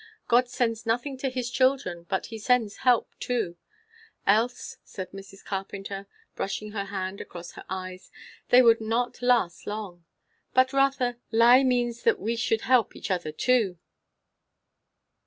God sends nothing to his children but he sends help too; else," said Mrs. Carpenter, brushing her hand across her eyes, "they would not last long! But, Rotha, lie means that we should help each other too."